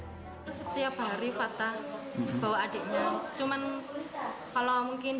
setiap hari fata bawa adiknya